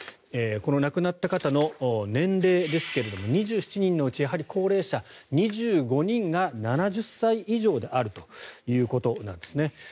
この亡くなった方の年齢ですが２７人のうちの高齢者２５人が７０歳以上であるということなんですね。